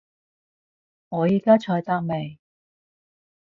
我依家除得未？